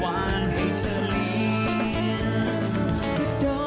จัดไปเลยคุณผู้ชม